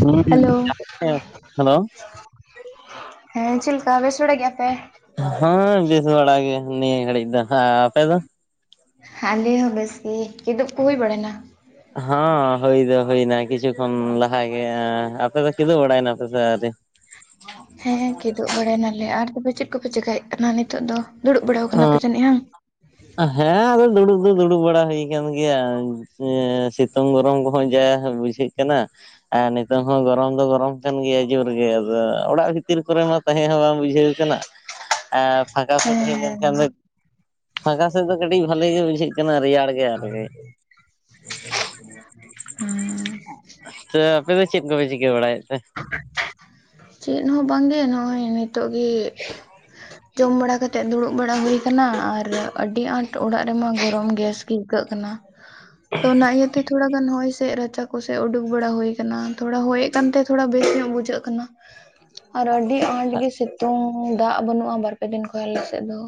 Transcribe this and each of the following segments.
ᱦᱩᱸ hello hello [inaudible] ᱦᱮᱸ ᱪᱮᱫ ᱞᱮᱠᱟ ᱵᱮᱥ ᱵᱟᱲᱟ ᱜᱮᱭᱟ ᱯᱮ? ᱦᱳᱸᱻ ᱵᱮᱥ ᱵᱟᱲᱟ ᱜᱮ ᱱᱤᱭᱟᱹ ᱜᱷᱟᱹᱲᱤᱡ ᱫᱚ ᱟ ᱟᱯᱮ ᱫᱚ? ᱦᱟᱞᱮ ᱦᱚᱸ ᱵᱮᱥ ᱜᱮ, ᱠᱤᱫᱩᱵ ᱠᱚ ᱦᱩᱭ ᱵᱟᱲᱟᱭᱱᱟ? ᱦᱚᱸᱻ ᱦᱩᱭ ᱫᱚ ᱦᱩᱭᱱᱟ ᱠᱤᱪᱷᱩ ᱠᱷᱚᱱ ᱞᱟᱦᱟ ᱜᱮ ᱮᱸ ᱟᱯᱮ ᱫᱚ ᱠᱤᱫᱩᱵ ᱵᱟᱲᱟᱭᱮᱱᱟ ᱯᱮ ᱥᱮ ᱟᱣᱨᱤ? ᱦᱮᱸ ᱦᱮᱸ ᱠᱤᱫᱩᱵ ᱵᱟᱲᱟᱭ ᱱᱟᱞᱮ ᱟᱨ ᱛᱚᱵᱮ ᱪᱮᱫ ᱠᱚᱯᱮ ᱪᱮᱠᱟᱭᱮᱫ ᱠᱟᱱᱟ ᱱᱤᱛᱳᱜ ᱫᱚ? ᱫᱩᱲᱩᱵ ᱵᱟᱲᱟᱣ ᱠᱟᱱᱟ ᱯᱮ ᱡᱟᱱᱤᱡ ᱣᱟᱝ? ᱦᱮᱸᱻ ᱟᱫᱚ ᱫᱩᱲᱩᱵ ᱫᱚ ᱫᱩᱲᱩᱵ ᱵᱟᱲᱟ ᱦᱩᱭ ᱟᱠᱟᱱ ᱜᱮᱭᱟ ᱡᱮ ᱥᱤ- -ᱛᱩᱝ ᱜᱚᱨᱚᱢ ᱠᱚᱦᱚᱸ ᱡᱟ ᱵᱩᱡᱷᱟᱹᱜ ᱠᱟᱱᱟ᱾ ᱟ ᱱᱤᱛᱚᱝ ᱦᱚᱸ ᱜᱚᱨᱚᱢ ᱫᱚ ᱜᱚᱨᱚᱢ ᱠᱟᱱ ᱜᱮᱭᱟ ᱡᱳᱨᱜᱮ ᱟᱫᱚ ᱚᱲᱟᱜ ᱵᱷᱤᱛᱤᱨ ᱠᱚᱨᱮ ᱢᱟ- -ᱛᱟᱦᱮᱸ ᱦᱚᱸ ᱵᱟᱝ ᱵᱩᱡᱷᱟᱹᱣ ᱠᱟᱱᱟ, ᱟ ᱯᱷᱟᱠᱟ ᱥᱮᱫ ᱦᱮᱡ ᱞᱮᱱᱠᱷᱟᱱ ᱦᱮᱸ ᱫᱚ- -ᱯᱷᱟᱠᱟ ᱥᱮᱫ ᱫᱚ ᱠᱟᱹᱴᱤᱡ ᱵᱷᱟᱞᱤ ᱜᱮ ᱵᱩᱡᱷᱟᱹᱜ ᱠᱟᱱᱟ ᱨᱮᱭᱟᱲ - ᱦᱮᱸ [inaudible] ᱛᱚ ᱟᱯᱮ ᱫᱚ ᱪᱮᱫ ᱠᱚᱯᱮ ᱪᱤᱠᱟᱹ ᱵᱟᱲᱟᱭᱮᱫ ᱛᱮ? ᱪᱮᱫ ᱦᱚᱸ ᱵᱟᱝᱜᱮ ᱱᱚᱜᱼᱚᱭ ᱱᱤᱛᱳᱜ ᱜᱮ- ᱡᱚᱢ ᱵᱟᱲᱟ ᱠᱟᱛᱮ ᱫᱩᱲᱩᱵ ᱵᱟᱲᱟ ᱦᱩᱭ ᱠᱟᱱᱟ ᱟᱨ ᱟᱹᱰᱤ ᱟᱸᱴ ᱚᱲᱟᱜ ᱨᱮᱢᱟ ᱜᱚᱨᱚᱢ ᱜᱮᱥ ᱜᱮ ᱟᱹᱭᱠᱟᱹᱜ ᱠᱟᱱᱟ᱾ [inaudible] ᱛᱚ ᱚᱱᱟ ᱤᱭᱟᱹᱛᱮ ᱛᱷᱚᱲᱟ ᱜᱟᱱ ᱦᱚᱭ ᱥᱮᱫ ᱨᱟᱪᱟ ᱠᱚᱥᱮᱫ ᱩᱰᱩᱠ ᱵᱟᱲᱟ ᱦᱩᱭ ᱠᱟᱱᱟ᱾ ᱛᱷᱚᱲᱟ ᱦᱚᱭᱮᱫ ᱠᱟᱱ ᱛᱮ ᱛᱷᱚᱲᱟ ᱵᱮᱥ ᱧᱚᱜ ᱵᱩᱡᱷᱟᱹᱜ ᱠᱟᱱᱟ ᱟᱨ ᱟᱹᱰᱤ ᱟᱸᱴ ᱜᱮ ᱥᱤᱛ ᱛᱩᱝ ᱫᱟᱜ ᱵᱟᱹᱱᱩᱜᱼᱟ, ᱵᱟᱨᱯᱮ ᱫᱤᱱ ᱠᱷᱚᱡ ᱟᱞᱮᱥᱮᱫ ᱫᱚ᱾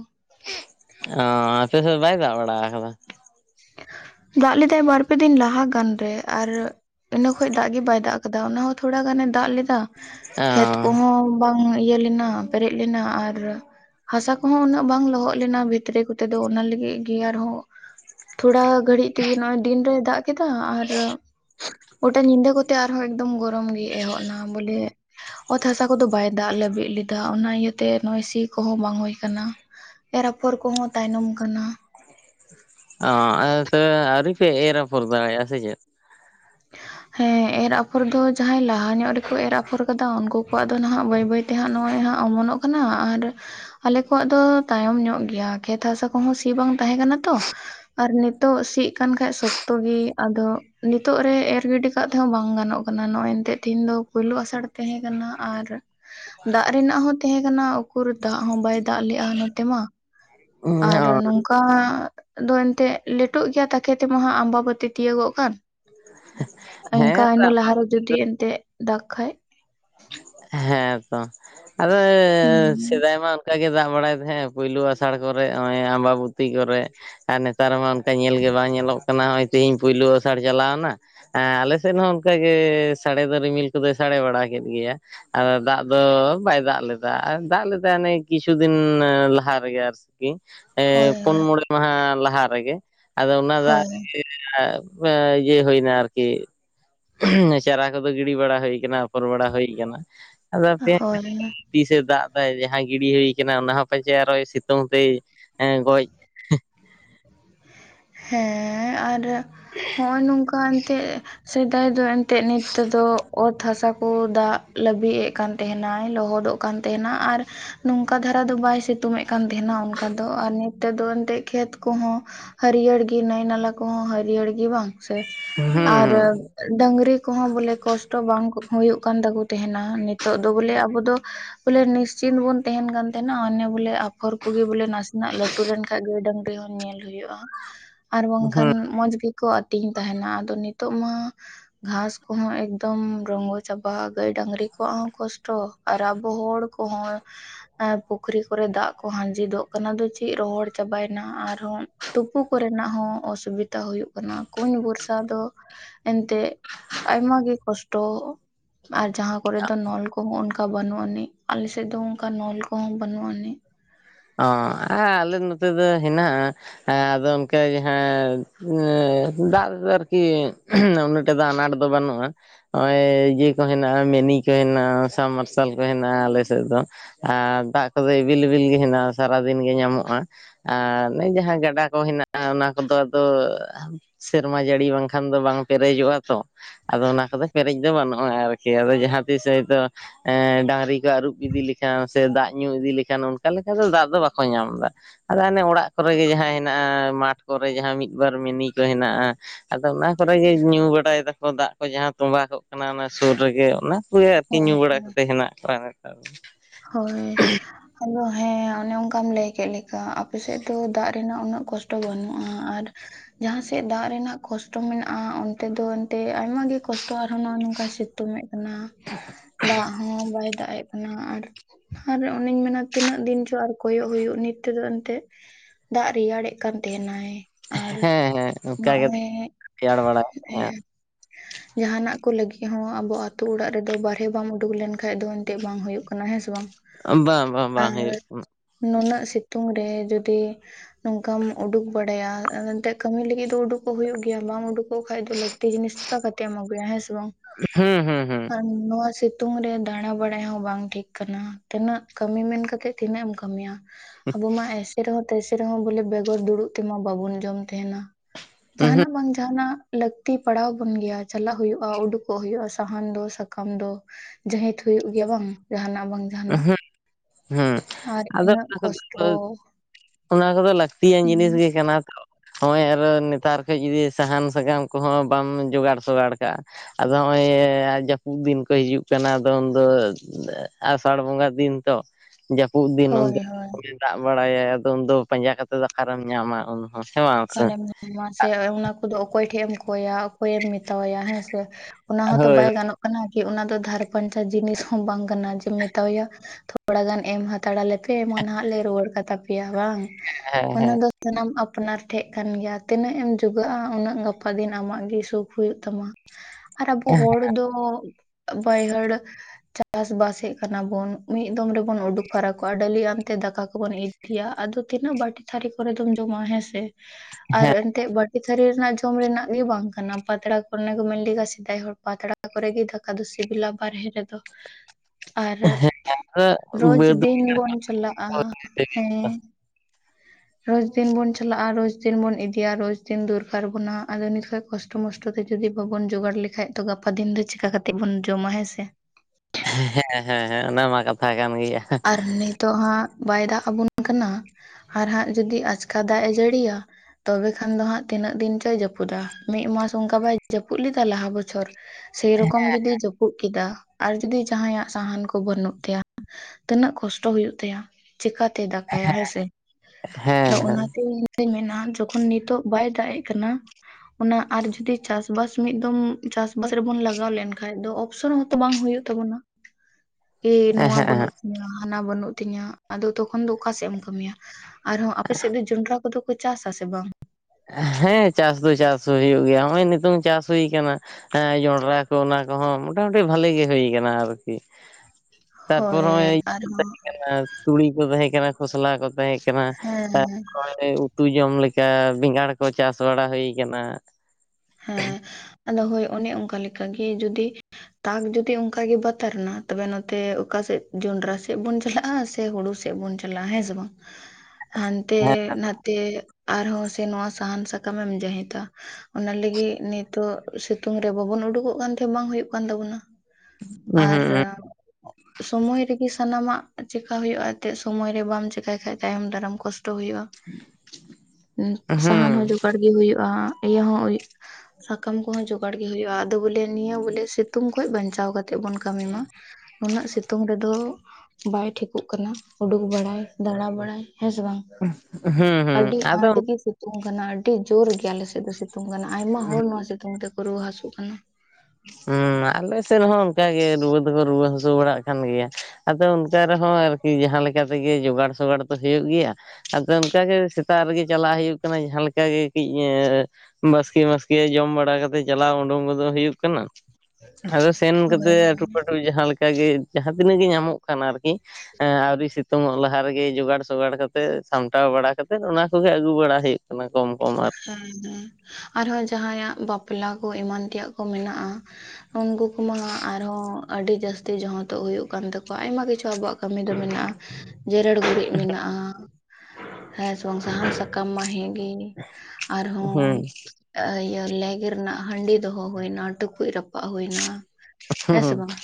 ᱚᱸ ᱟᱯᱮ ᱥᱮᱫ ᱵᱟᱭ ᱫᱟᱜ ᱵᱟᱲᱟ ᱟᱠᱟᱫᱟ? ᱫᱟᱜ ᱞᱮᱫᱟᱭ ᱵᱟᱨᱯᱮ ᱫᱤᱱ ᱞᱟᱦᱟ ᱜᱟᱱ ᱨᱮ ᱟᱨ ᱤᱱᱟᱹ ᱠᱷᱚᱡᱽ ᱫᱟᱜ ᱜᱮ ᱵᱟᱭ ᱫᱟᱜ ᱟᱠᱟᱫᱟ ᱚᱱᱟ ᱦᱚᱸ ᱛᱷᱚᱲᱟ ᱜᱟᱱᱮ ᱫᱟᱜ ᱞᱮᱫᱟ ᱚ ᱠᱷᱮᱛ ᱠᱚᱦᱚᱸ ᱵᱟᱝ ᱤᱭᱟᱹ ᱞᱮᱱᱟ ᱯᱮᱨᱮᱡ ᱞᱮᱱᱟ ᱟᱨ ᱦᱟᱥᱟ ᱠᱚᱦᱚᱸ ᱩᱱᱟᱹᱜ ᱵᱟᱝ ᱞᱚᱦᱚᱫ ᱞᱮᱱᱟ ᱵᱷᱤᱛᱨᱤ ᱠᱚᱛᱮ ᱫᱚ ᱚᱱᱟ ᱞᱟᱹᱜᱤᱫ ᱜᱮ ᱟᱨᱦᱚᱸ ᱛᱷᱚᱲᱟ ᱜᱷᱟᱹᱲᱤᱡ ᱛᱮᱜᱮ ᱱᱚᱜ-ᱚᱭ ᱫᱤᱱ ᱨᱮ ᱫᱟᱜ ᱠᱮᱫᱟ ᱟᱨ ᱜᱚᱴᱟ ᱧᱤᱫᱟᱹ ᱠᱚᱛᱮ ᱟᱨᱦᱚᱸ ᱮᱠᱫᱚᱢ ᱜᱚᱨᱚᱢ ᱜᱮ ᱮᱦᱚᱵ ᱱᱟ ᱵᱚᱞᱮ ᱚᱛ ᱦᱟᱥᱟ ᱠᱚᱫᱚ ᱵᱟᱭ ᱫᱟᱜ ᱞᱟᱹᱵᱤᱫ ᱞᱮᱫ ᱫᱟ ᱚᱱᱟ ᱤᱭᱟᱹᱛᱮ ᱱᱚᱜᱼᱚᱭ ᱥᱤ ᱠᱚᱦᱚᱸ ᱵᱟᱝ ᱦᱩᱭ ᱠᱟᱱᱟ, ᱮᱨ ᱟᱯᱷᱚᱨ ᱠᱚᱦᱚᱸ ᱛᱟᱭᱱᱚᱢ ᱠᱟᱱᱟ᱾ ᱚ ᱟᱫᱚ ᱛᱚᱵᱮ ᱟᱣᱨᱤ ᱯᱮ ᱮᱨ ᱟᱯᱷᱚᱨ ᱫᱟᱲᱮᱜ-ᱟ ᱥᱮ ᱪᱮᱫ? [unintelligible] ᱦᱮᱸ ᱮᱨ ᱟᱯᱷᱚᱨ ᱫᱚ ᱡᱟᱦᱟᱸᱭ ᱞᱟᱦᱟ ᱧᱚᱜ ᱨᱮᱠᱚ ᱮᱨ ᱟᱯᱷᱚᱨ ᱠᱟᱫᱟ ᱩᱱᱠᱩ ᱠᱚᱣᱟᱜ ᱫᱚ ᱱᱟᱦᱟᱜ ᱵᱟᱹᱭ ᱵᱟᱹᱭ ᱛᱮ ᱦᱟᱸᱜ ᱱᱚᱜᱼᱚᱭ ᱦᱟᱸᱜ ᱚᱢᱚᱱᱚᱜ ᱠᱟᱱᱟ ᱟᱨ ᱟᱞᱮ ᱠᱚᱣᱟᱜ ᱫᱚ ᱛᱟᱭᱚᱢ ᱧᱚᱜ ᱜᱮᱭᱟ ᱠᱷᱮᱛ ᱦᱟᱥᱟ ᱠᱚᱦᱚᱸ ᱥᱤ ᱵᱟᱝ ᱛᱟᱦᱮᱸ ᱠᱟᱱᱟ ᱛᱚ᱾ ᱟᱨ ᱱᱤᱛᱳᱜ ᱥᱤᱜ ᱠᱟᱱ ᱠᱷᱟᱡᱽ ᱥᱚᱠᱛᱚ ᱜᱮ, ᱟᱫᱚ ᱱᱤᱛᱚᱜ ᱨᱮ ᱮᱨ ᱜᱤᱰᱤ ᱠᱟᱜ ᱛᱮᱦᱚᱸ ᱵᱟᱝ ᱜᱟᱱᱚᱜ ᱠᱟᱱᱟ᱾ ᱱᱚᱜᱚᱭ ᱮᱱᱛᱮ ᱛᱮᱦᱮᱧ ᱫᱚ ᱯᱳᱭᱞᱳ ᱟᱥ ᱥᱟᱲ ᱛᱟᱦᱮᱸ ᱠᱟᱱᱟ ᱟᱨ ᱫᱟᱜ ᱨᱮᱱᱟᱜ ᱦᱚᱸ ᱛᱟᱦᱮᱸᱠᱟᱱᱟ, ᱩᱠᱩᱨ ᱫᱟᱜ ᱦᱚᱸ ᱵᱟᱭ ᱫᱟᱜ ᱞᱮᱜᱼᱟ ᱱᱚᱛᱮ ᱢᱟ᱾ [inaudible] ᱵᱟᱝᱟ ᱫᱚ ᱮᱱᱛᱮ ᱞᱮᱴᱳᱜ ᱜᱮᱭᱟ ᱛᱟᱠᱮ ᱛᱮᱢᱟ ᱦᱟᱸᱜ ᱟᱢᱵᱚᱵᱚᱛᱤ ᱛᱤᱭᱩᱜᱚᱜ ᱠᱟᱱ᱾ ᱮᱝᱠᱷᱟ ᱦᱮᱸ ᱤᱱᱟᱹ ᱞᱟᱦᱟ ᱨᱮ ᱡᱩᱫᱤ ᱮᱱᱛᱮ ᱫᱟᱜ ᱠᱷᱟᱡᱽ᱾ ᱦᱮᱸᱛᱚ ᱟᱫᱚ ᱦᱩᱸ ᱥᱮᱫᱟᱭ ᱢᱟ ᱚᱱᱠᱟ ᱜᱮ ᱫᱟᱜ ᱵᱟᱲᱟᱭ ᱛᱟᱦᱮᱸᱜ ᱮᱸ ᱯᱩᱭᱞᱩ ᱟᱥᱟᱲ ᱠᱚᱨᱮ ᱱᱚᱜ ᱚᱭ ᱟᱢᱵᱟᱵᱩᱛᱤ ᱠᱚᱨᱮ᱾ ᱟᱨ ᱱᱮᱛᱟᱨ ᱢᱟ ᱚᱱᱠᱟ ᱧᱮᱞ ᱜᱮ ᱵᱟᱝ ᱧᱮᱞᱚᱜ ᱠᱟᱱᱟ, ᱱᱚᱜᱚᱭ ᱛᱮᱦᱤᱧ ᱯᱩᱭᱞᱳ ᱟᱥᱟᱲ ᱪᱟᱞᱟᱣ ᱮᱱᱟ᱾ ᱮᱸ ᱟᱞᱮ ᱥᱮᱫ ᱦᱚᱸ ᱚᱱᱠᱟᱜᱮ ᱥᱟᱰᱮ ᱫᱚ ᱨᱤᱢᱤᱞ ᱠᱚᱫᱚᱭ ᱥᱟᱰᱮ ᱵᱟᱲᱟ ᱠᱮᱫ ᱜᱮᱭᱟ᱾ ᱟᱫᱚ ᱫᱟᱜ ᱫᱚ ᱵᱟᱭ ᱫᱟᱜ ᱞᱮᱫᱟ ᱟ ᱫᱟᱜ ᱞᱮᱫᱟᱭ ᱚᱱᱮ ᱠᱤᱪᱷᱩ ᱫᱤᱱ ᱞᱟᱦᱟ ᱨᱮᱜᱮ ᱟᱨᱥ ᱠᱤ ᱦᱳᱭ ᱮᱸ ᱯᱩᱱ ᱦᱳᱭ ᱢᱚᱬᱮ ᱢᱟᱦᱟ ᱞᱟᱦᱟ ᱨᱮᱜᱮ, ᱟᱫᱚ ᱚᱱᱟ ᱫᱟᱜ ᱦᱳᱭ ᱨᱮᱜᱮ ᱟᱨ ᱤᱡᱟᱹ ᱦᱩᱭᱱᱟ ᱟᱨᱠᱤ ᱪᱟᱨᱟ ᱠᱚᱫᱚ ᱜᱤᱰᱤ ᱵᱟᱲᱟ ᱦᱩᱭ ᱠᱟᱱᱟ᱾ ᱯᱚᱨ ᱵᱟᱲᱟ ᱦᱩᱭ ᱠᱟᱱᱟ ᱟᱫᱚ ᱛᱮᱦᱮᱧ ᱦᱳᱭ [unintelligible] ᱛᱤᱥᱮ ᱫᱟᱜ ᱫᱟᱭ? ᱡᱟᱦᱟᱸ ᱜᱤᱰᱤ ᱦᱩᱭ ᱠᱟᱱᱟ ᱚᱱᱟ ᱦᱚᱸ ᱯᱟᱪᱮ ᱟᱨᱚᱭ ᱥᱤᱛᱩᱝ ᱛᱮᱭ ᱜᱚᱡ᱾ ᱦᱮᱸ ᱟᱨ ᱦᱚᱜᱼᱚᱭ ᱱᱚᱝᱠᱟ ᱮᱱᱛᱮᱜ ᱥᱮᱫᱟᱭ ᱫᱚ ᱮᱱ ᱛᱮᱜ ᱱᱤᱛ ᱛᱮᱫᱚ ᱚᱛ ᱦᱟᱥᱟ ᱠᱚ ᱫᱟᱜ ᱞᱟᱹᱵᱤᱜ ᱮᱜ ᱠᱟᱱ ᱛᱟᱦᱮᱸᱱᱟᱭ ᱞᱚᱦᱚᱫᱚᱜ ᱠᱟᱱ ᱛᱟᱦᱮᱸᱱᱟ ᱟᱨ ᱱᱚᱝᱠᱟ ᱫᱷᱟᱨᱟ ᱫᱚ ᱵᱟᱭ ᱥᱤᱛᱩᱝ ᱮᱫ ᱠᱟᱱ ᱛᱟᱦᱮᱸᱱᱟ ᱚᱱᱠᱟ ᱫᱚ ᱟᱨ ᱱᱤᱛ ᱛᱮᱫᱚ ᱮᱱᱛᱮᱜ ᱠᱷᱮᱛ ᱠᱚᱦᱚᱸ ᱦᱟᱹᱨᱭᱟᱹᱲ ᱜᱮ ᱱᱟᱹᱭ ᱱᱟᱞᱟ ᱠᱚᱦᱚᱸ ᱦᱟᱹᱨᱭᱟᱹᱲ ᱜᱮ ᱵᱟᱝ ᱥᱮ? ᱦᱩᱸ ᱟᱨ ᱰᱟᱹᱝᱨᱤ ᱠᱚᱦᱚᱸ ᱵᱚᱞᱮ ᱠᱚᱥᱴᱚ ᱵᱟᱝ ᱦᱩᱭᱩᱜ ᱠᱟᱱ ᱛᱟᱠᱚ ᱛᱟᱦᱮᱸᱱᱟ ᱱᱤᱛᱚᱜ ᱫᱚ ᱵᱚᱞᱮ ᱟᱵᱚ ᱫᱚ ᱵᱚᱞᱮ ᱱᱤᱥᱪᱤᱱ ᱵᱚᱱ ᱛᱟᱦᱮᱸᱱ ᱠᱟᱱ ᱛᱟᱦᱮᱸᱱᱟ, ᱚᱱᱮ ᱵᱚᱞᱮ ᱟᱯᱷᱚᱨ ᱠᱚᱜᱮ ᱵᱚᱞᱮ ᱱᱟᱥᱮᱱᱟᱜ ᱞᱟᱹᱴᱩ ᱞᱮᱱᱠᱷᱟᱡᱽ ᱜᱟᱹᱭ ᱰᱟᱝᱨᱤ ᱦᱚᱸ ᱧᱮᱞ ᱦᱩᱭᱩᱜᱼᱟ ᱟᱨ ᱦᱩᱸ ᱵᱟᱝᱠᱷᱟᱱ ᱦᱩᱸ ᱢᱚᱸᱡᱽ ᱜᱮᱠᱚ ᱟᱹᱛᱤᱧ ᱛᱟᱦᱮᱸᱱᱟ᱾ ᱟᱫᱚ ᱱᱤᱛᱚᱜ ᱢᱟ ᱜᱷᱟᱥ ᱠᱚᱦᱚᱸ ᱮᱠᱫᱚᱢ ᱨᱚᱸᱜᱚ ᱪᱟᱵᱟᱜᱼᱟ, ᱜᱟᱹᱭ ᱰᱟᱝᱨᱤ ᱠᱚᱣᱟᱜ ᱦᱚᱸ ᱠᱚᱥᱴᱚ᱾ ᱟᱨ ᱟᱵᱚ ᱦᱚᱲ ᱠᱚᱦᱚᱸ ᱮᱸ ᱯᱩᱠᱷᱨᱤ ᱠᱚᱨᱮ ᱫᱟᱜ ᱠᱚᱦᱚᱸ ᱟᱸᱡᱮᱫᱚᱜ ᱠᱟᱱᱟ ᱪᱮᱫ ᱨᱚᱦᱚᱲ ᱪᱟᱵᱟᱭᱱᱟ ᱟᱨᱦᱚᱸ ᱛᱩᱯᱩ ᱠᱚᱨᱮᱱᱟᱜ ᱦᱚᱸ ᱚᱥᱩᱵᱤᱫᱷᱟ ᱦᱩᱭᱩᱜ ᱠᱟᱱᱟ ᱠᱩᱧ ᱵᱚᱨᱥᱟ ᱫᱚ ᱮᱱᱛᱮᱜ ᱟᱭᱢᱟ ᱜᱮ ᱠᱚᱥᱴᱚ᱾ ᱟᱨ ᱡᱟᱦᱟᱸ ᱠᱚᱨᱮ ᱫᱚ ᱱᱚᱞ ᱠᱚᱦᱚᱸ ᱚᱱᱠᱟ ᱵᱟᱹᱱᱩᱜ ᱟᱹᱱᱤᱡᱽ᱾ ᱟᱞᱮ ᱥᱮᱫ ᱫᱚ ᱚᱱᱠᱟ ᱱᱚᱞ ᱠᱚᱦᱚᱸ ᱵᱟᱹᱱᱩᱜ ᱟᱹᱱᱤᱡᱽ᱾ ᱚ ᱦᱮᱸ ᱟᱞᱮ ᱱᱚᱛᱮ ᱫᱚ ᱦᱮᱱᱟᱜᱼᱟ᱾ ᱦᱮᱸ ᱟᱫᱚ ᱚᱱᱠᱟ ᱜᱮᱦᱟᱸ ᱫᱟᱜᱽ ᱨᱮ ᱟᱨᱠᱤ ᱩᱱᱟᱹᱜ ᱴᱟᱜ ᱫᱚ ᱟᱱᱟᱴ ᱫᱚ ᱵᱟᱹᱱᱩᱜᱼᱟ᱾ ᱱᱚᱜᱼᱚᱭ ᱤᱭᱟᱹ ᱠᱚ ᱦᱮᱱᱟᱜᱼᱟ ᱢᱤᱱᱤ ᱠᱚ ᱦᱮᱱᱟᱜᱼᱟ ᱥᱟᱵᱽᱢᱟᱨᱥᱟᱞ ᱠᱚ ᱦᱮᱱᱟᱜᱼᱟ ᱟᱞᱮ ᱥᱮᱫ ᱫᱚ᱾ ᱟᱨ ᱫᱟᱜᱽ ᱠᱚᱫᱚ ᱮᱵᱮᱞᱮᱵᱮᱞ ᱜᱮ ᱦᱮᱱᱟᱜᱼᱟ ᱥᱟᱨᱟᱫᱤᱱ ᱜᱮ ᱧᱟᱢᱚᱜᱼᱟ᱾ ᱟᱨ ᱚᱱ ᱡᱟᱦᱟᱸ ᱜᱟᱰᱟ ᱠᱚ ᱦᱮᱱᱟᱜᱼᱟ ᱚᱱᱟ ᱠᱚᱫᱚ ᱟᱫᱚ ᱥᱮᱨᱢᱟ ᱡᱟᱹᱲᱤ ᱵᱟᱝ ᱠᱷᱟᱱ ᱫᱚ ᱵᱟᱝ ᱯᱮᱨᱮᱡᱚᱜᱼᱟ ᱛᱚ ᱟᱫᱚ ᱚᱱᱟ ᱠᱚᱫᱚ ᱯᱮᱨᱮᱡᱽ ᱫᱚ ᱵᱟᱹᱱᱩᱜᱼᱟ ᱟᱨᱠᱤ ᱟᱫᱚ ᱡᱟᱦᱟᱸ ᱛᱤᱥ ᱦᱚᱭᱛᱳ ᱮᱸ ᱰᱟᱝᱨᱤ ᱠᱚ ᱟᱹᱨᱩᱵᱽ ᱤᱫᱤ ᱞᱮᱠᱷᱟᱱ ᱥᱮ ᱫᱟᱜᱽ ᱧᱩ ᱤᱫᱤ ᱞᱮᱠᱷᱟᱱ ᱚᱱᱠᱟ ᱞᱮ ᱠᱟ ᱫᱚ ᱫᱟᱜᱽ ᱫᱚ ᱵᱟᱠᱚ ᱧᱟᱢ ᱫᱟ᱾ ᱟᱫᱚ ᱚᱱᱮ ᱚᱲᱟᱜ ᱠᱚᱨᱮ ᱜᱮ ᱡᱟᱦᱟᱸ ᱦᱮᱱᱟᱜᱼᱟ ᱢᱟᱴᱷ ᱠᱚᱨᱮ ᱡᱟᱦᱟᱸ ᱢᱤᱫ ᱵᱟᱨ ᱢᱤᱱᱤ ᱠᱚ ᱦᱮᱱᱟᱜᱼᱟ᱾ ᱟᱫᱚ ᱚᱱᱟ ᱠᱚᱨᱮᱜᱮ ᱧᱩ ᱵᱟᱲᱟᱭ ᱫᱟᱠᱚ ᱫᱟᱜᱽ ᱠᱚ ᱡᱟᱦᱟᱸ ᱛᱚᱸᱵᱟ ᱠᱚᱜ ᱠᱟᱱᱟ ᱚᱱᱟ ᱥᱩᱨ ᱨᱮᱜᱮ ᱚᱱᱟ [unintelligible] ᱟᱨᱠᱤ ᱧᱩ ᱦᱳᱭ ᱵᱟᱲᱟ ᱦᱳᱭ ᱠᱟᱛᱮ ᱦᱮᱱᱟᱜ ᱠᱚᱣᱟ ᱱᱮᱛᱟᱨ ᱫᱚ ᱦᱳᱭ ᱟᱫᱚ ᱦᱮᱸ ᱚᱱᱮ ᱚᱱᱠᱟᱢ ᱞᱟᱹᱭ ᱠᱮᱫ ᱞᱮᱠ ᱟ ᱟᱯᱮᱥᱮᱫ ᱫᱚ ᱫᱟᱜᱽ ᱨᱮᱱᱟᱜ ᱩᱱᱟᱹᱜ ᱠᱚᱥᱴᱚ ᱵᱟᱹᱱᱩᱜᱼᱟ ᱟᱨ ᱡᱟᱦᱟᱸᱥᱮᱫ ᱫᱟᱜᱽ ᱨᱮᱱᱟᱜ ᱠᱚᱥᱴᱚ ᱢᱮᱱᱟᱜᱼᱟ ᱚᱱᱛᱮ ᱫᱚ ᱮᱱᱛᱮ ᱟᱭᱢᱟ ᱜᱮ ᱠᱚᱥ ᱴᱚ ᱟᱨᱦᱚᱸ ᱱᱚᱜᱼᱚᱭ ᱱᱚᱝᱠᱟ ᱥᱤᱛᱩᱝ ᱮᱫ ᱠᱟᱱᱟ ᱫᱟᱜᱽ ᱦᱚᱸ ᱵᱟᱭ ᱫᱟᱜᱽ ᱮᱫ ᱠᱟᱱᱟ ᱟᱨ ᱟᱨ ᱚᱱᱮᱧ ᱢᱮᱱᱟ ᱛᱤᱱᱟᱹᱜ ᱫᱤᱱ ᱪᱚ ᱟᱨ ᱠᱚᱭᱚᱜ ᱦᱩᱭᱩᱜ ᱱᱤᱛ ᱛᱮᱫᱚ ᱮᱱᱛᱮᱜ ᱫᱟᱜᱽ ᱨᱮᱭᱟᱲᱮᱫ ᱠᱟᱱ ᱛᱟᱦᱮᱱᱟᱭ᱾ ᱟᱨ ᱦᱮᱸ ᱦᱮᱸ ᱚᱱᱠᱟ ᱜᱮ ᱱᱚᱜᱼᱚᱭ [unintelligible] ᱵᱟᱲᱟ [unintelligible] ᱡᱟᱦᱟᱸᱱᱟᱜ ᱠᱚ ᱞᱟᱹᱜᱤᱫ ᱦᱚᱸ ᱟᱵᱚ ᱟᱹᱛᱩ ᱚᱲᱟᱜ ᱨᱮᱫᱚ ᱵᱟᱨᱦᱮ ᱵᱟᱢ ᱩᱰᱩᱠ ᱞᱮᱱᱠᱷᱟᱡ ᱫᱚ ᱚᱱᱛᱮ ᱵᱟᱝ ᱦᱩᱭᱩᱜ ᱠᱟᱱᱟ ᱦᱮᱸ ᱥᱮ ᱵᱟᱝ ᱵᱟᱝ ᱵᱟᱝ ᱟᱨ ᱵᱟᱝ ᱦᱩᱭᱩᱜ ᱠᱟᱱᱟ ᱱᱩᱱᱟᱹᱜ ᱥᱤᱛᱩᱝ ᱨᱮ ᱡᱩᱫᱤ ᱱᱚᱝᱠᱟᱢ ᱩᱰᱩᱠ ᱵᱟᱲᱟᱭᱟ ᱮᱱᱛᱮ ᱠᱟᱹᱢᱤ ᱞᱟᱹᱜᱤᱫ ᱫᱚ ᱩᱰᱩᱠᱚᱜ ᱦᱩᱭᱩᱜ ᱜᱮᱭᱟ ᱵᱟᱝ ᱩᱰᱩᱠ ᱠᱚ ᱠᱷᱟᱡᱽ ᱫᱚ ᱞᱟᱹᱠᱛᱤ ᱡᱤᱱᱤᱥ ᱪᱤᱠᱟᱹ ᱠᱟᱛᱮ ᱮᱢ ᱟᱹᱜᱩᱭᱟ ᱦᱮᱸ ᱥᱮ ᱵᱟᱝ ᱦᱩᱸ ᱦᱩᱸ ᱦᱩᱸ ᱟᱨ ᱱᱚᱣᱟ ᱥᱤ ᱥᱤᱛᱩᱝ ᱨᱮ ᱫᱟᱬᱟ ᱵᱟᱲᱟᱭ ᱦᱚᱸ ᱵᱟᱝ ᱴᱷᱤᱠ ᱠᱟᱱᱟ, ᱛᱤᱱᱟᱹᱜ ᱠᱟᱹᱢᱤ ᱢᱮᱱ ᱠᱟᱛᱮ ᱛᱤᱱᱟᱹᱜ ᱮᱢ ᱠᱟᱹᱢᱤᱭᱟ ᱾ ᱟᱵᱚ ᱢᱟ ᱮᱥᱮ ᱨᱮᱦᱚᱸ ᱛᱮᱭᱥᱮ ᱨᱮᱦᱚᱸ ᱵᱚᱞᱮ ᱵᱮᱜᱚᱨ ᱫᱩᱲᱩᱵ ᱛᱮᱢᱟ ᱵᱟᱵᱚᱱ ᱡᱚᱢ ᱛᱟᱦᱮᱱᱟ ᱾ ᱦᱩᱸ ᱡᱟᱦᱟᱸᱱᱟᱜ ᱵᱟᱝ ᱡᱟᱦᱟᱸᱱᱟᱜ ᱞᱟᱹᱠᱛᱤ ᱯᱟᱲᱟᱣᱵᱚᱱ ᱜᱮᱭᱟ ᱪᱟᱞᱟᱜ ᱦᱩᱭᱩᱜᱼᱟ ᱩᱰᱩᱠᱚᱜ ᱦᱩᱭᱩᱜᱼᱟ ᱥᱟᱦᱟᱱ ᱫᱚ ᱥᱟᱠᱟᱢ ᱫᱚ ᱡᱤᱭᱦᱮᱫ ᱦᱩᱭᱩᱜ ᱜᱮᱭᱟ ᱵᱟᱝ ᱡᱟᱦᱟᱸᱱᱟᱜ ᱵᱟᱝ ᱦᱩᱸ ᱡᱟᱦᱟᱸᱱᱟᱜ ᱾ ᱦᱩᱸ ᱟᱫᱚ ᱠᱚᱥᱴᱚ [unintelligible] ᱚᱱᱟ ᱠᱚᱫᱚ ᱞᱟᱹᱠᱛᱤᱭᱟᱱ ᱡᱤᱱᱤᱥ ᱜᱮ ᱠᱟᱱᱟ ᱛᱚ ᱦᱚᱸᱜᱼᱚᱭ ᱟᱨ ᱱᱮᱛᱟᱨ ᱠᱟᱹᱡᱽ ᱡᱩᱫᱤ ᱥᱟᱦᱟᱱ ᱥᱟᱠᱟᱢ ᱠᱚᱦᱚᱸ ᱵᱟᱢ ᱡᱚᱜᱟᱲ ᱥᱚᱜᱟᱲ ᱠᱟᱜ ᱟᱫᱚ ᱱᱚᱜᱼᱚᱭ ᱡᱟᱹᱯᱩᱫ ᱫᱤᱱ ᱠᱚ ᱦᱤᱡᱩᱜ ᱠᱟᱱᱟ ᱟᱫᱚ ᱩᱱᱫᱚ ᱟᱥᱟᱲ ᱵᱚᱸᱜᱟ ᱫᱤᱱ ᱛᱚ ᱡᱟᱹᱯᱩᱫ ᱫᱤᱱ ᱩᱱᱫᱚ ᱦᱳᱭ ᱦᱳᱭ ᱫᱟᱜᱽ ᱵᱟᱲᱟᱭᱟ ᱟᱫᱚ ᱩᱱᱫᱚ ᱯᱟᱸᱡᱟ ᱠᱟᱛᱮ ᱚᱠᱟᱨᱮᱢ ᱧᱟᱢᱟ ᱩᱱ [unintelligible] ᱵᱟᱝ ᱥᱮ ᱾ ᱢᱟᱥᱮ ᱚᱱᱟ ᱠᱚᱫᱚ ᱚᱠᱚᱭ ᱴᱷᱮᱡ ᱮᱢ ᱠᱚᱭᱟ ᱚᱠᱚᱭ ᱮᱢ ᱢᱮᱛᱟᱣᱟᱭᱟ ᱦᱮᱸ ᱥᱮ ᱚᱱᱟ ᱦᱚᱸ ᱛᱚ ᱦᱳᱭ ᱵᱟᱭ ᱦᱳᱭ ᱜᱟᱱᱚᱜ ᱠᱟᱱᱟ ᱠᱤ ᱚᱱᱟ ᱫᱚ ᱫᱷᱟᱨ ᱯᱟᱸᱧᱪᱟ ᱡᱤᱱᱤᱥ ᱦᱚᱸ ᱵᱟᱝ ᱠᱟᱱᱟ, ᱡᱮᱢ ᱢᱮᱛᱟᱣᱭᱟ ᱛᱷᱚᱲᱟ ᱜᱟᱱ ᱮᱢ ᱦᱟᱛᱟᱲᱟ ᱯᱮ ᱮᱢᱚᱱ ᱱᱟᱦᱟᱸᱜ ᱞᱮ ᱨᱩᱣᱟᱹᱲ ᱠᱟ ᱛᱟᱯᱮᱭᱟ ᱵᱟᱝ, ᱦᱮᱸ ᱚᱱᱟ ᱦᱮᱸ ᱫᱚ ᱥᱟᱱᱟᱢ ᱟᱯᱱᱟᱨ ᱴᱷᱮᱡ ᱠᱟᱱ ᱜᱮᱭᱟ ᱛᱤᱱᱟᱹᱜ ᱮᱢ ᱡᱩᱜᱟᱜᱼᱟ ᱩᱱᱟᱹᱜ ᱜᱟᱯᱟ ᱫᱤᱱ ᱟᱢᱟᱜ ᱜᱮ ᱥᱩᱠ ᱦᱩᱭᱩᱜ ᱛᱟᱢᱟ ᱾ ᱟᱨ ᱟᱵᱚ ᱦᱚᱲ ᱫᱚ ᱵᱟᱹᱭᱦᱟᱹᱲ [unintelligible] ᱪᱟᱥᱵᱟᱥᱤ ᱠᱟᱱᱟ ᱵᱚᱱ ᱢᱤᱫ ᱫᱚᱢ ᱨᱮᱵᱚᱱ ᱩᱰᱩᱠ ᱯᱷᱟᱨᱟᱠ ᱠᱚᱜᱼᱟ ᱰᱮᱹᱞᱤ ᱚᱱᱛᱮ ᱫᱟᱠᱟ ᱠᱚᱵᱚᱱ ᱤ ᱤᱭᱟ ᱟᱫᱚ ᱛᱤᱱᱟᱹᱜ ᱵᱟᱹᱴᱤ ᱛᱷᱟᱹᱨᱤ ᱠᱚᱨᱮ ᱫᱚᱢ ᱡᱚᱢᱟ ᱦᱮᱸ ᱥᱮ, ᱟᱨ ᱦᱮᱸ ᱮᱱᱛᱮ ᱛᱷᱟᱹᱨᱤ ᱨᱮᱱᱟᱜ ᱡᱚᱢ ᱨᱮᱱᱟᱜ ᱜᱮ ᱵᱟᱝ ᱠᱟᱱᱟ ᱯᱟᱛᱲᱟ ᱠᱚ ᱢᱮᱱ ᱞᱮᱠᱟ ᱥᱮᱫᱟᱭ ᱦᱚᱲ ᱯᱟᱛᱲᱟ ᱚᱱᱟ ᱠᱚᱨᱮ ᱜᱮ ᱫᱟᱠᱟ ᱫᱚ ᱥᱤᱵᱤᱞᱟ ᱵᱟᱨᱦᱮ ᱨᱮᱫᱚ ᱟᱨ ᱟᱫᱚ ᱨᱳᱡᱽ ᱵᱟᱹᱫᱽ ᱫᱤᱱ ᱵᱚᱱ ᱪᱟᱞᱟᱜᱼᱟ ᱵᱟᱹᱭᱦᱟᱹᱲ ᱦᱮᱸ ᱨᱳᱡᱽ ᱫᱤᱱ ᱵᱚᱱ ᱪᱟᱞᱟᱜᱼᱟ ᱨᱳᱡᱽ ᱫᱤᱱ ᱵᱚᱱ ᱤᱫᱤᱭᱟ ᱨᱳᱡᱽ ᱫᱤᱱ ᱫᱚᱨᱠᱟᱨ ᱵᱚᱱᱟ, ᱟᱫᱚ ᱱᱤᱛᱚᱜ ᱠᱷᱚᱡ ᱠᱚᱥᱴᱚ ᱢᱚᱥᱴᱚ ᱛᱮ ᱡᱩᱫᱤ ᱵᱟᱵᱚᱱ ᱡᱳᱜᱟᱲ ᱞᱮᱠᱟᱱ ᱛᱚ ᱜᱟᱯᱟ ᱫᱤᱱ ᱨᱮ ᱪᱤᱠᱟ ᱠᱟᱛᱮ ᱵᱚᱱ ᱡᱚᱢᱟ ᱦᱮᱸ ᱥᱮ ᱾ ᱦᱮᱸ ᱦᱮᱸ ᱦᱮᱸ ᱚᱱᱟᱢᱟ ᱠᱟᱛᱷᱟ ᱠᱟᱱ ᱜᱮᱭᱟ ᱾ ᱟᱨ ᱱᱤᱛᱚᱜ ᱦᱟᱸᱜ ᱵᱟᱭ ᱫᱟᱜ ᱟᱵᱚᱱ ᱠᱟᱱᱟ ᱾ ᱟᱨ ᱦᱟᱸᱜ ᱡᱩᱫᱤ ᱟᱪᱠᱟ ᱫᱟᱜ ᱮ ᱡᱟᱹᱲᱤᱭᱟ, ᱛᱚᱵᱮ ᱠᱷᱟᱱ ᱫᱚ ᱦᱟᱸᱜ ᱛᱤᱱᱟᱹᱜ ᱫᱤᱱ ᱪᱚᱭ ᱡᱟᱹᱯᱩᱫᱟ ᱾ ᱢᱤᱫ ᱢᱟᱥ ᱚᱱᱠᱟ ᱵᱟᱭ ᱡᱟᱹᱯᱩᱫ ᱞᱮᱫᱟ ᱞᱟᱦᱟ ᱵᱚᱪᱷᱚᱨ, ᱥᱮᱨᱚᱠᱚᱢ ᱡᱩᱫᱤ ᱡᱟᱹᱯᱩᱫ ᱠᱮᱫᱟ ᱟᱨ ᱡᱩᱫᱤ ᱡᱟᱸᱦᱟᱭᱟᱜ ᱥᱟᱦᱟᱱ ᱠᱚ ᱵᱟᱹᱱᱩᱜ ᱛᱟᱭᱟ ᱾ ᱛᱤᱱᱟᱹᱜ ᱠᱚᱥᱴᱚ ᱦᱩᱭᱩᱜ ᱛᱟᱭᱟ ᱪᱮᱠᱟᱛᱮᱭ ᱫᱟᱠᱟᱭᱟ? ᱦᱮᱸᱥᱮ ᱟᱫᱚ ᱦᱮᱸ ᱚᱱᱟᱛᱮᱼᱼ ᱢᱮᱱᱟ ᱡᱚᱠᱷᱚᱱ ᱱᱤᱛᱚᱜ ᱵᱟᱭ ᱫᱟᱜ ᱮᱜ ᱠᱟᱱᱟ ᱾ ᱚᱱᱟ ᱟᱨ ᱡᱩᱫᱤ ᱪᱟᱥᱵᱟᱥ ᱢᱤᱫ ᱫᱚᱢ ᱪᱟᱥᱵᱟᱥ ᱨᱮᱵᱚᱱ ᱞᱟᱜᱟᱣ ᱞᱮᱱᱠᱷᱟᱱ ᱫᱚ ᱚᱯᱥᱚᱱ ᱦᱚᱸ ᱵᱟᱝ ᱦᱩᱭᱩᱜ ᱛᱟᱵᱚᱱᱟ ᱾ ᱮ ᱦᱮᱸ ᱱᱚᱶᱟ ᱦᱮᱸ ᱵᱟᱹᱱᱩᱜ ᱛᱤᱧᱟᱹ ᱦᱟᱱᱟ ᱵᱟᱹᱱᱩᱜ ᱛᱤᱧᱟᱹ, ᱟᱫᱚ ᱛᱚᱠᱷᱚᱱ ᱫᱚ ᱚᱠᱟ ᱥᱮᱫ ᱮᱢ ᱠᱟᱹᱢᱤᱭᱟ? ᱟᱨ ᱦᱚᱸ ᱟᱯᱮ ᱥᱮᱫ ᱫᱚ ᱡᱚᱸᱰᱨᱟ ᱠᱚᱫᱚ ᱠᱚ ᱪᱟᱥᱟ ᱥᱮ ᱵᱟᱝ? ᱦᱮᱸ ᱪᱟᱥ ᱫᱚ ᱪᱟᱥ ᱦᱚᱸ ᱦᱩᱭᱩᱜ ᱜᱮᱭᱟ ᱾ ᱱᱚᱜᱼᱚᱭ ᱱᱤᱛᱚᱝ ᱪᱟᱥ ᱦᱩᱭ ᱠᱟᱱᱟ ᱾ ᱦᱮᱸ ᱡᱚᱸᱰᱨᱟ ᱠᱚ ᱚᱱᱟ ᱠᱚᱦᱚᱸ ᱢᱚᱴᱟᱢᱩᱴᱤ ᱵᱷᱟᱞᱤ ᱜᱮ ᱦᱩᱭ ᱠᱟᱱᱟ ᱟᱨᱠᱤ ᱾ [inaudible] ᱛᱟᱨᱯᱚᱨ ᱦᱚᱸᱜᱼᱚᱭ ᱤᱭᱟᱹ ᱠᱚ ᱟᱨᱦᱚᱸ ᱛᱟᱦᱮᱸ ᱠᱟᱱᱟ, ᱛᱩᱲᱤ ᱠᱚ ᱛᱟᱦᱮᱸ ᱠᱟᱱᱟ, ᱠᱷᱚᱥᱞᱟ ᱠᱚ ᱛᱟᱦᱮᱸ ᱠᱟᱱᱟ ᱦᱮᱸ ᱾ ᱠᱟᱱᱟ ᱩᱛᱩ ᱡᱚᱢ ᱞᱮᱠᱟ ᱵᱮᱸᱜᱟᱲ ᱠᱚ ᱪᱟᱥ ᱵᱟᱲᱟ ᱦᱩᱭ ᱟᱠᱟᱱᱟ ᱾ ᱟᱫᱚ ᱦᱳᱭ ᱚᱱᱮ ᱚᱱᱠᱟ ᱞᱮᱠᱟ ᱜᱮ ᱡᱩᱫᱤ ᱛᱟᱠ ᱡᱩᱫᱤ ᱚᱱᱠᱟᱜᱮ ᱵᱟᱛᱟᱨᱱᱟ ᱛᱚᱵᱮ ᱱᱚᱛᱮ ᱚᱠᱟ ᱥᱮᱫ ᱡᱚᱸᱰᱨᱟ ᱥᱮᱫ ᱵᱚᱱ ᱪᱟᱞᱟᱜᱼᱟ ᱥᱮ ᱦᱩᱲᱩ ᱥᱮᱫ ᱵᱚᱱ ᱪᱟᱞᱟᱜᱼᱟ ᱾ ᱪᱟᱞᱟᱜ ᱦᱮᱸ ᱥᱮ ᱵᱟᱝ? ᱦᱟᱱᱛᱮ ᱦᱮᱸ ᱱᱷᱟᱛᱮ ᱟᱨᱦᱚᱸ ᱥᱮ ᱱᱚᱣᱟ ᱥᱟᱦᱟᱱ ᱥᱟᱠᱟᱢ ᱢᱮᱢ ᱡᱟᱹᱦᱤᱸᱛᱟ ᱾ ᱚᱱᱟ ᱞᱟᱹᱜᱤᱫ ᱱᱤᱛᱚᱜ ᱥᱤᱛᱩᱝ ᱨᱮ ᱵᱟᱵᱚᱱ ᱩᱰᱩᱠᱚᱜ ᱠᱟᱱ ᱛᱷᱮ ᱵᱟᱝ ᱦᱳᱭᱳᱜ ᱠᱟᱱ ᱛᱟᱵᱚᱱᱟ ᱦᱩᱸ ᱟᱨ ᱦᱩᱸ ᱥᱚᱢᱚᱭ ᱨᱮᱜᱮ ᱥᱟᱱᱟᱢᱟᱜ ᱪᱮᱠᱟ ᱦᱩᱭᱩᱜᱼᱟ ᱮᱱᱛᱮᱫ ᱥᱳᱢᱳ ᱨᱮ ᱵᱟᱢ ᱪᱮᱠᱟᱭ ᱠᱷᱟᱡ ᱛᱟᱭᱚᱢ ᱫᱟᱨᱟᱢ ᱠᱚᱥᱴᱚ ᱦᱩᱭᱩᱜᱼᱟ᱾ ᱥᱟᱦᱟᱱ ᱦᱩᱸ ᱦᱚᱸ ᱡᱚᱜᱟᱲ ᱜᱮ ᱦᱩᱭᱩᱜᱼᱟ ᱤᱭᱟᱹ ᱦᱚᱸ ᱥᱟᱠᱟᱢ ᱠᱚᱦᱚᱸ ᱡᱚᱜᱟᱲ ᱜᱮ ᱦᱩᱭᱩᱜᱼᱟ ᱟᱫᱚ ᱵᱚᱞᱮ ᱱᱤᱭᱟᱹ ᱵᱚᱞᱮ ᱥᱤᱛᱩᱝ ᱠᱷᱚᱱ ᱵᱟᱧᱪᱟᱣ ᱠᱟᱛᱮᱜ ᱵᱚᱱ ᱠᱟᱹᱢᱤ ᱢᱟ ᱱᱩᱱᱟᱹᱜ ᱥᱤᱛᱩᱝ ᱨᱮᱫᱚ ᱵᱟᱭ ᱴᱷᱤᱠᱚᱜ ᱠᱟᱱᱟ ᱩᱰᱩᱠ ᱵᱟᱲᱟᱭ ᱫᱟᱬᱟ ᱵᱟᱲᱟᱭ ᱦᱮᱸᱥᱮ ᱵᱟᱝ? ᱦᱩᱸ ᱦᱩᱸ ᱟᱹᱰᱤ ᱟᱫᱚ ᱟᱸᱴ ᱜᱮ ᱥᱤ ᱛᱩᱝ ᱠᱟᱱᱟ ᱟᱹᱰᱤ ᱡᱳᱨ ᱜᱮ ᱟᱞᱮᱥᱮᱫ ᱫᱚ ᱥᱤᱛᱩᱝ ᱠᱟᱱᱟ ᱟᱭᱢᱟ ᱦᱚᱲ ᱱᱚᱶᱟ ᱥᱤᱛᱩᱝ ᱛᱮᱠᱚ ᱨᱩᱣᱟᱹ ᱦᱟᱹᱥᱩᱜ ᱠᱟᱱᱟ ᱦᱮᱸ ᱟᱞᱮ ᱥᱮᱫ ᱦᱚᱸ ᱚᱱᱠᱟ ᱜᱮ ᱨᱩᱣᱟᱹ ᱫᱚᱠᱚ ᱨᱩᱣᱟᱹ ᱦᱟᱹᱥᱳ ᱵᱟᱲᱟᱜ ᱠᱟᱱ ᱜᱮᱭᱟ [inaudible] ᱟᱫᱚ ᱚᱱᱠᱟ ᱨᱮᱦᱚᱸ ᱟᱨᱠᱤ ᱡᱟᱦᱟᱸ ᱞᱮᱠᱟ ᱛᱮᱜᱮ ᱡᱚᱜᱟᱲ ᱥᱚᱜᱟᱲ ᱫᱚ ᱦᱩᱭᱩᱜ ᱜᱮᱭᱟ ᱟᱫᱚ ᱚᱱᱠᱟᱜᱮ ᱥᱮᱛᱟᱜ ᱨᱮᱜᱮ ᱪᱟᱞᱟᱜ ᱦᱩᱭᱩᱜ ᱠᱟᱱᱟ ᱡᱟᱦᱟᱸᱞᱮᱠᱟᱜᱮ ᱠᱟᱹᱡ ᱵᱟᱥ ᱵᱟᱥᱠᱮᱭᱟᱜ ᱡᱚᱢ ᱵᱟᱲᱟ ᱠᱟᱛᱮ ᱪᱟᱞᱟᱣ ᱳᱰᱳᱝ ᱜᱚ ᱫᱚᱜ ᱦᱩᱭᱩᱜ ᱠᱟᱱᱟ ᱟᱫᱚ ᱥᱮᱱ ᱠᱟᱛᱮ ᱦᱳᱭ ᱟ. ᱦᱳᱭ ᱴᱩ ᱯᱟᱴᱩ ᱡᱟᱦᱟᱸ ᱞᱮᱠᱟ ᱜᱮ ᱡᱟᱦᱟᱸ ᱛᱤᱱᱟᱹᱜ ᱜᱮ ᱧᱟᱢᱚᱜ ᱠᱟᱱᱟ ᱟᱨᱠᱤ ᱟᱹᱣᱨᱤ ᱥᱤᱛᱩᱝᱚᱜ ᱞᱟᱦᱟ ᱨᱮᱜᱮ ᱡᱚᱜᱟᱲ ᱥᱚᱜᱟᱲ ᱠᱟᱛᱮᱜ ᱥᱟᱢᱴᱟᱣ ᱵᱟᱲᱟ ᱠᱟᱛᱮᱜ ᱚᱱᱟ ᱠᱚᱜᱮ ᱟᱹᱜᱩ ᱵᱟᱲᱟ ᱦᱩᱭᱩᱜ ᱠᱟᱱᱟ ᱠᱚᱢ ᱠᱚᱢ ᱟᱨᱠᱤ ᱦᱩᱸ ᱦᱩᱸ ᱟᱨᱦᱚᱸ ᱡᱟᱦᱟᱸᱭᱟᱜ ᱵᱟᱯᱞᱟ ᱠᱚ ᱮᱢᱟᱱ ᱛᱮᱭᱟᱜ ᱠᱚ ᱢᱮᱱᱟᱜᱼᱟᱸ ᱩᱱᱠᱩ ᱠᱚᱢᱟ ᱟᱨᱦᱚᱸ ᱟᱹᱰᱤ ᱡᱟᱹᱥᱛᱤ ᱡᱚᱸᱦᱚᱸᱛᱚᱜ ᱦᱩᱭᱩᱜ ᱠᱟᱱ ᱛᱟᱠᱚᱣᱟ ᱟᱭᱢᱟ ᱠᱤᱪᱷᱩ ᱟᱵᱚᱣᱟᱜ ᱠᱟᱹᱢᱤ ᱫᱚ ᱢᱮᱱᱟᱜᱼᱟᱸ ᱡᱮᱨᱮᱲ ᱜᱩᱨᱤᱡ ᱢᱮᱱᱟᱜᱼᱟ ᱦᱮᱸ ᱥᱮ ᱵᱟᱝ ᱥᱟᱦᱟᱱ ᱥᱟᱠᱟᱢ ᱢᱟ ᱦᱮᱸᱜᱮ ᱟᱨᱦᱚᱸ ᱦᱩᱸ ᱤᱭᱟᱹ ᱞᱟᱹᱜᱽ ᱨᱮᱱᱟᱜ ᱦᱟᱸᱰᱤ ᱫᱚᱦᱚ ᱦᱩᱭᱱᱟ ᱴᱩᱠᱩᱡ ᱨᱟᱯ ᱦᱩᱭᱱᱟ ᱦᱮᱸ ᱥᱮ ᱦᱩᱸ ᱵᱟᱝ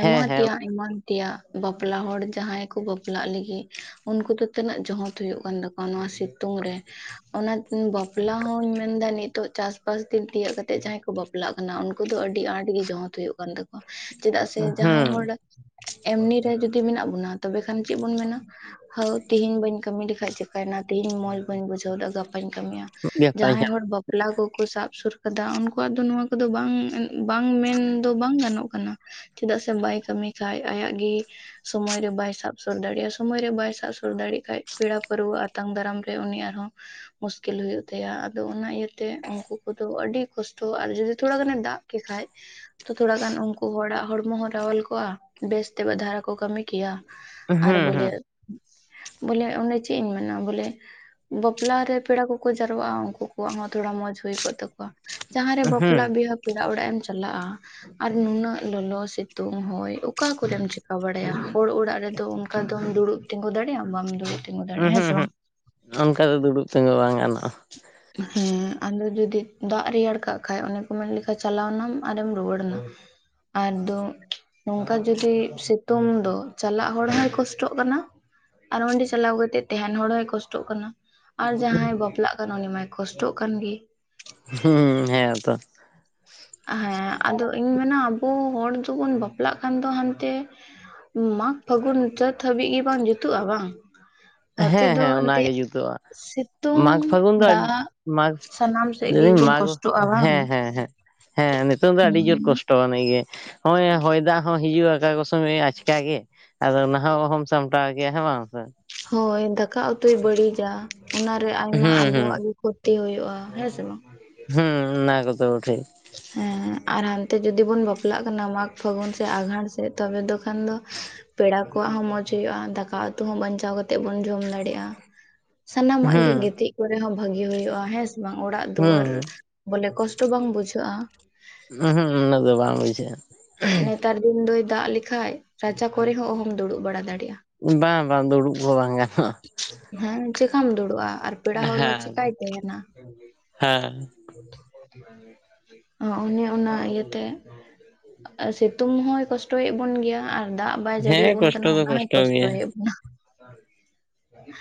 ᱦᱮᱸ ᱦᱮᱸ ᱛᱮᱭᱟᱜ ᱟᱭᱢᱟ ᱛᱮᱭᱟᱜ ᱵᱟᱯᱞᱟ ᱦᱚᱲ ᱡᱟᱦᱟᱸᱭ ᱠᱚ ᱵᱟᱯᱞᱟᱜ ᱞᱟᱹᱜᱤᱫ ᱩᱱᱠᱩ ᱫᱚ ᱛᱤᱱᱟᱹᱜ ᱡᱚᱸᱦᱚᱸᱛ ᱦᱩᱭᱩᱜ ᱠᱟᱱ ᱛᱟᱠᱚᱣᱟ ᱱᱚᱣᱟ ᱥᱤᱛᱩᱝ ᱨᱮ ᱚᱱᱟ ᱵᱟᱯᱞᱟ ᱦᱚᱸᱧ ᱢᱮᱱᱫᱟ ᱱᱤᱛᱚᱜ ᱪᱟᱥ ᱵᱟᱥ ᱫᱤᱱ ᱛᱤᱭᱟᱹᱜ ᱠᱟᱛᱮᱜ ᱡᱟᱦᱟᱸᱭ ᱠᱚ ᱵᱟᱯᱞᱟᱜ ᱠᱟᱱᱟ ᱩᱱᱠᱩ ᱫᱚ ᱟᱹᱰᱤ ᱟᱸᱴ ᱜᱮ ᱡᱚᱸᱦᱚᱸᱛ ᱦᱩᱭᱩᱜ ᱠᱟᱱ ᱛᱟᱠᱚᱣᱟ ᱪᱮᱫᱟᱜ ᱥᱮ ᱡᱟᱦᱟᱸᱭ ᱦᱩᱸ ᱦᱚᱲ ᱮᱢᱱᱤ ᱨᱮ ᱡᱩᱫᱤ ᱢᱮᱱᱟᱜ ᱵᱚᱱᱟ, ᱛᱚᱵᱮ ᱠᱷᱟᱱ ᱪᱮᱫ ᱵᱚᱱ ᱢᱮᱱᱟ? ᱦᱟᱹᱣ ᱛᱤᱦᱤᱧ ᱵᱟᱹᱧ ᱠᱟᱹᱢᱤ ᱞᱮᱠᱷᱟᱡ ᱪᱤᱠᱟᱭᱱᱟ ᱛᱮᱦᱤᱧ ᱢᱚᱸᱡᱽ ᱵᱟᱹᱧ ᱵᱩᱡᱷᱟᱹᱣᱮᱫᱟ ᱜᱟᱯ ᱵᱟᱧ ᱠᱟᱹᱢᱤᱭᱟ ᱢᱤᱫ ᱜᱮᱯᱟᱧ ᱡᱟᱦᱟᱸᱭ ᱦᱚᱲ ᱵᱟ ᱯᱞᱟ ᱠᱚᱠᱚ ᱥᱟᱵ ᱥᱩᱨ ᱠᱟᱫᱟ ᱩᱱᱠᱩᱣᱟᱜ ᱫᱚ ᱱᱚᱣᱟ ᱠᱚᱫᱚ ᱵᱟᱝ ᱵᱟᱝ ᱢᱮᱱ ᱫᱚ ᱵᱟᱝ ᱜᱟᱱᱚᱜ ᱠᱟᱱᱟ᱾ ᱪᱮᱫᱟᱜ ᱥᱮ ᱵᱟᱭ ᱠᱟᱹᱢᱤ ᱠᱷᱟᱡ ᱟᱭᱟᱜ ᱜᱤ ᱥᱚᱢᱚᱭ ᱨᱮ ᱵᱟᱭ ᱥᱟᱵ ᱥᱳᱨ ᱫᱟᱲᱮᱭᱟᱜᱼᱟ ᱥᱚᱢᱚᱭ ᱨᱮ ᱵᱟᱭ ᱥᱟᱵ ᱥᱳᱨ ᱫᱟᱲᱮᱭᱟᱜ ᱠᱷᱟᱱ ᱯᱮᱲᱟ ᱯᱟᱹᱨᱣᱟᱹ ᱟᱛᱟᱝ ᱫᱟᱨᱟᱢ ᱨᱮ ᱩᱱᱤ ᱟᱨᱦᱚᱸ ᱢᱩᱥᱠᱤᱞ ᱦᱩᱭᱩᱜ ᱛᱟᱭᱟ ᱟᱫᱚ ᱚᱱᱟ ᱤᱭᱟᱹᱛᱮ ᱩᱱᱠᱩ ᱠᱚᱫᱚ ᱟᱹᱰᱤ ᱠᱚᱥᱴᱚ ᱟᱨ ᱡᱩᱫᱤ ᱛᱷᱚᱲᱟ ᱜᱟᱱᱮ ᱫᱟᱜ ᱠᱮ ᱠᱷᱟᱡ ᱛᱚ ᱛᱷᱚᱲᱟ ᱜᱟᱱ ᱩᱱᱠᱩ ᱦᱚᱲᱟᱜ ᱦᱚᱲᱢᱚ ᱦᱚᱸ ᱨᱟᱣᱟᱞ ᱠᱚᱜᱼᱟ ᱵᱮᱥᱛᱮ ᱫᱷᱟᱨᱟ ᱠᱚ ᱠᱟᱹᱢᱤ ᱠᱮᱭᱟ ᱦᱟᱸᱜ ᱟᱨ ᱦᱩᱸ ᱵᱚᱞᱮ ᱦᱩᱸ ᱵᱚᱞᱮ ᱚᱸᱰᱮ ᱪᱮᱫ ᱤᱧ ᱢᱮᱱᱟ ᱵᱚᱞᱮ ᱵᱟᱯᱞᱟ ᱨᱮ ᱯᱮᱲᱟ ᱠᱚᱠᱚ ᱡᱟᱨᱣᱟ ᱩᱱᱠᱩ ᱠᱚᱣᱟᱜ ᱦᱚᱸ ᱛᱷᱚᱲᱟ ᱢᱚᱸᱡᱽ ᱦᱩᱭ ᱠᱚᱜ ᱛᱟᱠᱚᱣᱟ ᱡᱟᱸᱦᱟ ᱨᱮ ᱦᱩᱸ ᱵᱟᱯᱞᱟ ᱵᱤᱦᱟᱹ ᱠᱚ ᱯᱮᱲᱟ ᱚᱲᱟᱜ ᱮᱢ ᱪᱟᱞᱟᱜᱼᱟ ᱟᱨ ᱱᱩᱱᱟᱹᱜ ᱞᱚᱞᱚ ᱥᱤᱛᱩᱝ ᱦᱚᱭ ᱚᱠᱟ ᱠᱚᱨᱮᱢ ᱪᱤᱠᱟ ᱵᱟᱲᱟᱭᱟ ᱦᱚᱲ ᱚᱲᱟᱜ ᱨᱮᱫᱚ ᱚᱱᱠᱟ ᱫᱚᱢ ᱫᱩᱲᱩᱵ ᱛᱤᱸᱜᱩ ᱫᱟᱲᱮᱭᱟᱜᱼᱟᱢ ᱵᱟᱢ ᱫᱩᱲᱩᱵ ᱛᱤᱸᱜᱩ ᱫᱟᱲᱮᱭᱟᱜᱼᱟ ᱩᱸᱦᱩ ᱦᱮᱸ ᱥᱮ ᱩᱸᱦᱩᱜ ᱵᱟᱝ ᱚᱱᱠᱟ ᱫᱚ ᱫᱩᱲᱩᱵ ᱛᱤᱜᱩ ᱵᱟᱝ ᱜᱟᱱᱚᱜᱼᱟ ᱦᱮᱸ ᱟᱫᱚ ᱡᱩᱫᱤ ᱫᱟᱜ ᱨᱮᱭᱟᱲ ᱠᱟᱜ ᱠᱷᱟᱡ ᱚᱱᱮ ᱠᱚ ᱢᱮᱱ ᱞᱮᱠᱷᱟ ᱪᱟᱞᱟᱣᱱᱟᱢ ᱟᱨᱮᱢ ᱨᱩᱣᱟᱹᱲᱱᱟ ᱟᱫᱚ ᱱᱚᱝᱠᱟ ᱡᱩᱫᱤ ᱥᱤᱛᱩᱝ ᱫᱚ ᱪᱟᱞᱟᱜ ᱦᱚᱲ ᱦᱚᱭ ᱠᱚᱥᱴᱚᱜ ᱠᱟᱱᱟ ᱟᱨ ᱚᱸᱰᱮ ᱪᱟᱞᱟᱣ ᱠᱟᱛᱮ ᱛᱟᱦᱮᱱ ᱦᱚᱲ ᱦᱚᱸᱭ ᱠᱚᱥᱴᱚᱜ ᱠᱟᱱᱟ ᱟᱨ ᱡᱟᱦᱟᱸᱭ ᱵᱟᱯᱞᱟᱜ ᱠᱟᱱᱟ ᱠᱚᱥᱴᱚᱜ ᱠᱟᱱ ᱜᱤ ᱦᱩᱸ ᱦᱮᱸ ᱛᱚ ᱦᱮᱸ ᱟᱫᱚ ᱤᱧ ᱢᱮᱱᱟ ᱟᱵᱳ ᱦᱚᱲ ᱫᱚᱵᱚᱱ ᱵᱟᱯᱞᱟᱜ ᱠᱷᱟᱱ ᱫᱚ ᱦᱟᱱᱛᱮ ᱢᱟᱜᱽ ᱯᱷᱟᱹᱜᱩᱱ ᱪᱟᱹᱛ ᱦᱟᱹᱵᱤᱡ ᱜᱮ ᱵᱟᱝ ᱡᱩᱛᱩᱜᱼᱟ ᱵᱟᱝ ᱱᱚᱛᱮ ᱦᱮᱸ ᱫᱚ ᱦᱮᱸ ᱮᱱᱛᱮ ᱚᱱᱟᱜᱮ ᱡᱩᱛᱚᱜᱼᱟ ᱥᱤᱛᱩᱝ ᱢᱟᱜᱽ ᱯᱷᱟᱹᱜᱩᱱ ᱫᱚ ᱫᱟᱜ ᱢᱟᱜᱽ ᱥᱟᱱᱟᱢ ᱥᱮᱫ ᱞᱟᱹᱭᱫᱟᱹᱧ ᱜᱮᱵᱚᱱ ᱢᱟᱜᱽ ᱠᱚᱥᱴᱚᱜᱼᱟ ᱵᱟᱝ ᱦᱮᱸ ᱦᱮᱸ ᱦᱮᱸ ᱦᱮᱸ ᱱᱤᱛᱚᱝ ᱫᱚ ᱟᱹᱰᱤ ᱡᱳᱨ ᱠᱚᱥᱴ ᱴᱚ ᱱᱤᱭᱟᱹ ᱜᱮ ᱱᱚᱜᱼᱚᱭ ᱦᱚᱭ ᱫᱟᱜ ᱦᱚᱸ ᱦᱤᱡᱩᱜᱼᱟ ᱚᱠᱟ ᱠᱚ ᱥᱚᱢᱚᱭ ᱟᱪᱠᱟ ᱜᱮ ᱟᱫᱚ ᱱᱟᱦᱟᱜ ᱚᱦᱚᱢ ᱥᱟᱢᱴᱟᱣ ᱜᱮᱭᱟ ᱦᱮᱸ ᱵᱟᱝ ᱥᱮ ᱦᱳᱭ ᱫᱟᱠᱟ ᱩᱛᱩᱭ ᱵᱟᱹᱲᱤᱡᱟ ᱚᱱᱟᱨᱮ ᱟᱭᱢᱟ ᱦᱩᱸ ᱦᱩᱸ ᱟᱵᱚᱣᱟᱜ ᱜᱤ ᱠᱷᱚᱛᱤ ᱦᱩᱭᱩᱜᱼᱟ ᱦᱮᱸ ᱥᱮ ᱵᱟᱝ ᱦᱩᱸ ᱚᱱᱟ ᱠᱚᱫᱚ ᱴᱷᱤᱠ ᱦᱮᱸ ᱟᱨ ᱦᱟᱱᱛᱮ ᱡᱩᱫᱤ ᱵᱚᱱ ᱵᱟᱯᱞᱟᱜ ᱠᱟᱱᱟ ᱢᱟᱜᱽ ᱯᱷᱟᱹᱜᱩᱱ ᱥᱮᱜ ᱟᱸᱜᱷᱟᱬ ᱥᱮᱜ ᱛᱚᱵᱮ ᱫᱚ ᱠᱷᱟᱱ ᱫᱚ ᱯᱮᱲᱟ ᱠᱚᱣᱟᱜ ᱦᱚᱸ ᱢᱚᱡᱽ ᱦᱩᱭᱩᱜᱼᱟ ᱫᱟᱠᱟ ᱩᱛᱩ ᱦᱚᱸ ᱵᱟᱧᱪᱟᱣ ᱠᱟᱛᱮᱜ ᱵᱚᱱ ᱡᱚᱢ ᱫᱟᱲᱮᱜᱼᱟ ᱥᱟᱱᱟᱢᱟᱜ ᱜᱮ ᱦᱩᱸ ᱜᱤᱛᱤᱡ ᱠᱚᱨᱮ ᱦᱚᱸ ᱵᱷᱟᱹᱜᱤ ᱦᱩᱭᱩᱜᱼᱟ ᱦᱮᱸ ᱥᱮ ᱵᱟᱝ ᱚᱲᱟᱜ ᱦᱩᱸ ᱫᱩᱣᱟᱹᱨ ᱵᱚᱞᱮ ᱠᱚᱥᱴᱚ ᱵᱟᱝ ᱵᱩᱡᱷᱟᱹᱜᱼᱟ ᱩᱸᱼᱦᱩᱸᱜ ᱩᱱᱟ‍ᱹᱜ ᱫᱚ ᱵᱟᱝ ᱵᱩᱡᱷᱟᱹᱜᱼᱟ ᱱᱮᱛᱟᱨ ᱫᱤᱱ ᱫᱚᱭ ᱫᱟᱜ ᱞᱮᱠᱷᱟᱡ ᱨᱟᱪᱟ ᱠᱚᱨᱮ ᱦᱚᱸ ᱚᱦᱚᱢ ᱫᱩᱲᱩᱵ ᱵᱟᱲᱟ ᱫᱟᱲᱮᱭᱟᱜᱼᱟ ᱵᱟᱝ ᱵᱟᱝ ᱫᱩᱲᱩᱵ ᱠᱚ ᱵᱟᱝ ᱜᱟᱱᱚᱜᱼᱟ ᱦᱮᱸ ᱪᱮᱠᱟᱢ ᱫᱩᱲᱩᱵᱼᱟ ᱟᱨ ᱯᱮᱲᱟ ᱦᱚᱲ ᱦᱚᱸ ᱦᱮᱸ ᱪᱮᱠᱟᱭ ᱛᱟᱦᱮᱸᱱᱟ ᱦᱮᱸ ᱚ ᱚᱱᱤ ᱚᱱᱟ ᱤᱭᱟᱹᱛᱮ ᱟᱨ ᱥᱤᱛᱩᱝ ᱦᱚᱸᱭ ᱠᱚᱥᱴᱚᱭᱮᱫ ᱵᱚᱱ ᱜᱮᱭᱟ ᱟᱨ ᱫᱟᱜ ᱵᱟᱭ ᱡᱟᱹᱲᱤ ᱦᱮᱸ ᱟᱵᱚᱱ ᱠᱟᱱᱟ ᱠᱚᱥᱴᱚ ᱫᱚ ᱚᱱᱟ ᱦᱚᱸᱭ ᱠᱚᱥᱴᱚ ᱜᱮᱭᱟ ᱠᱚᱥᱴᱚᱭᱮᱫ ᱵᱚᱱᱟ [unintelligible]